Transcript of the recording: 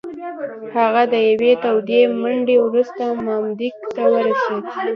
هغه د یوې تودې منډې وروسته مامدک ته ورسېد.